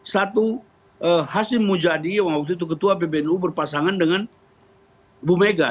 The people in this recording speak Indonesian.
satu hasim mujadi yang waktu itu ketua pbnu berpasangan dengan bu mega